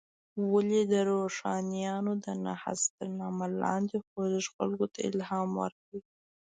ولې د روښانیانو د نهضت تر نامه لاندې خوځښت خلکو ته الهام ورکړ.